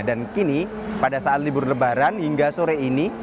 dan kini pada saat libur lebaran hingga sore ini